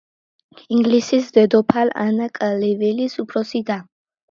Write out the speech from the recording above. ინგლისის დედოფალ ანა კლეველის უფროსი და.